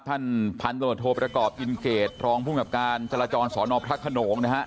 ท่านพันธุ์โทพระกอบอินเกตทรองผู้มีบการจรจรสอนอพระขนมนะฮะ